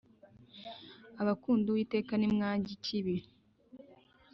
Abakunda uwiteka nimwanjye ikibi